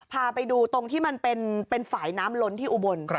พาไปดูตรงที่มันเป็นฝ่ายน้ำล้นที่อุบล